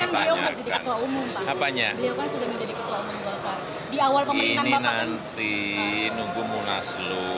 tapi kan beliau kan jadi ketua umum pak